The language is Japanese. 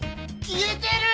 消えてる！